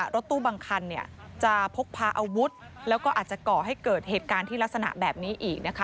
รถตู้บางคันจะพกพาอาวุธแล้วก็อาจจะก่อให้เกิดเหตุการณ์ที่ลักษณะแบบนี้อีกนะคะ